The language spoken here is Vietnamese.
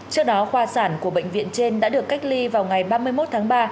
trước đó khoa sản của bệnh viện trên đã được cách ly vào ngày ba mươi một tháng ba